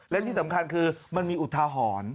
และที่สำคัญคือมันมีอุทาหรณ์